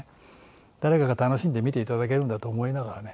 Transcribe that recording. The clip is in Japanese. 誰かが楽しんで見ていただけるんだと思いながらね